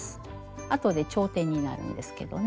あとで頂点になるんですけどね。